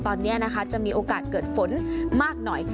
ตอนนี้นะคะจะมีโอกาสเกิดฝนมากหน่อย